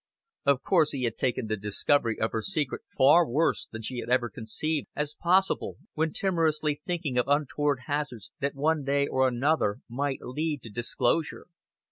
Of course he had taken the discovery of her secret far worse than she had ever conceived as possible, when timorously thinking of untoward hazards that one day or another might lead to disclosure.